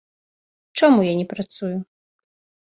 Чаму я не працую?